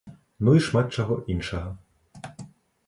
Ну і шмат чаго іншага.